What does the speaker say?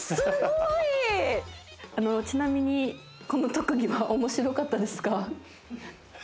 ハハハあのちなみにこの特技は面白かったですか？